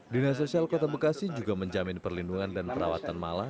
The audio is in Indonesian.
dinasosial kota bekasi juga menjamin perlindungan dan perawatan mala